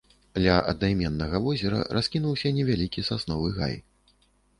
Ля аднайменнага возера раскінуўся невялікі сасновы гай.